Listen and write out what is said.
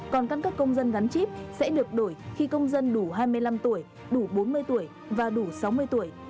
còn căn cấp công dân gắn chip sẽ được đổi khi công dân đủ hai mươi năm tuổi đủ bốn mươi tuổi và đủ sáu mươi tuổi